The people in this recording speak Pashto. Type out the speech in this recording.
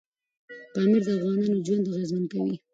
پامیر د افغانانو ژوند اغېزمن کوي.